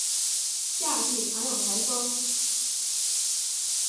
夏季常有台风。